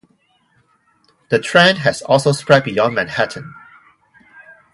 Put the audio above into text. The trend has also spread beyond Manhattan.